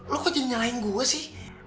lo kok jadi nyalahin gue sih